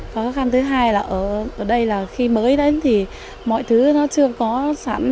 khó khăn thứ hai là ở đây là khi mới đến thì mọi thứ nó chưa có sẵn